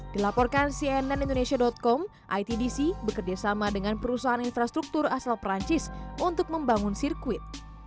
dilaporkan cnn indonesia com itdc bekerjasama dengan perusahaan infrastruktur asal perancis untuk membangun sirkuit